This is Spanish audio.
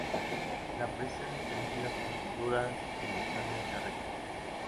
La prisión es conocida por sus duras condiciones de reclusión.